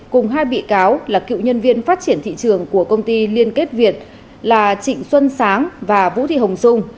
cùng hai bị cáo là cựu nhân viên phát triển thị trường của công ty liên kết việt là trịnh xuân sáng và vũ thị hồng dung